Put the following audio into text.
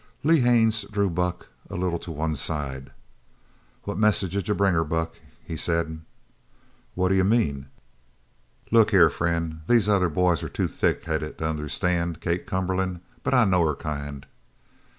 Lee Haines drew Buck a little to one side. "What message did you bring to her, Buck?" he said. "What d'you mean?" "Look here, friend, these other boys are too thick headed to understand Kate Cumberland, but I know her kind."